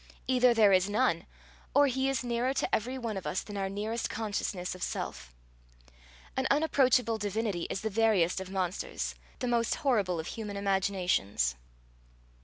Either there is none, or he is nearer to every one of us than our nearest consciousness of self. An unapproachable divinity is the veriest of monsters, the most horrible of human imaginations.